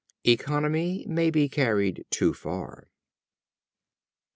Economy may be carried too far.